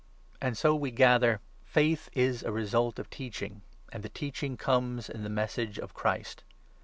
And so, we gather, faith is a result of teaching , and the 17 teaching comes in the Message of Christ.